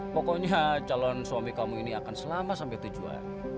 pokoknya calon suami kamu ini akan selamat sampai tujuan